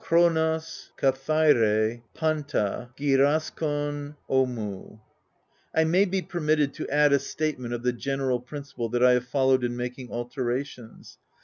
XP^^ KaBcUpei irdvTa yjipdaKtiiv dfiou, I may be permitted to add a statement of the general principle that I have followed in making alterations.